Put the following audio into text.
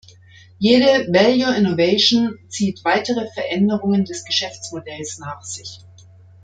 Jede Value Innovation zieht weitere Veränderungen des Geschäftsmodells nach sich.